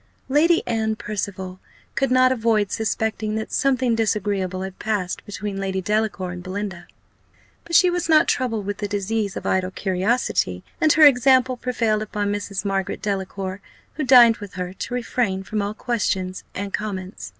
Lady Anne Percival could not avoid suspecting that something disagreeable had passed between Lady Delacour and Belinda; but she was not troubled with the disease of idle curiosity, and her example prevailed upon Mrs. Margaret Delacour, who dined with her, to refrain from all questions and comments.